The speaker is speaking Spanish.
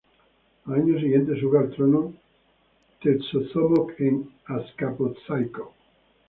Al año siguiente, sube al trono Tezozómoc en Azcapotzalco.